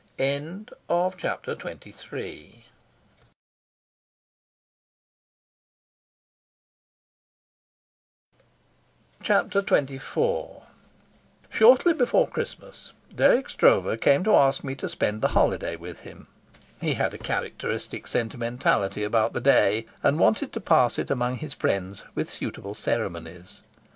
Chapter XXIV Shortly before Christmas Dirk Stroeve came to ask me to spend the holiday with him. He had a characteristic sentimentality about the day and wanted to pass it among his friends with suitable ceremonies.